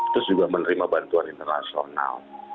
terus juga menerima bantuan internasional